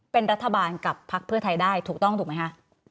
เป็นรัฐบาลกับพักเพื่อไทยได้ถูกต้องถูกไหมคะ